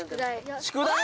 宿題？